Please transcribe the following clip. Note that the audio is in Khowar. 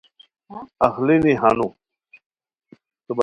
اخلینی ہانو